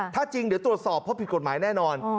ถ้าจริงเดี๋ยวตรวจสอบเพราะผิดกฎหมายแน่นอน